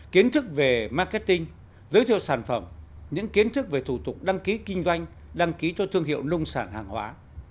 kiến thức về marketing giới thiệu sản phẩm những kiến thức về thủ tục đăng ký kinh doanh đăng ký cho thương hiệu nông sản hàng hóa